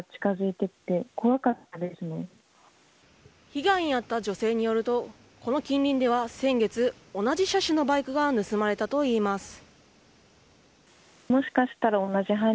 被害に遭った女性によるとこの近隣では先月同じ車種のバイクが盗まれたといいます。